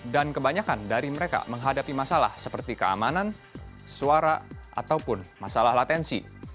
dan kebanyakan dari mereka menghadapi masalah seperti keamanan suara ataupun masalah latensi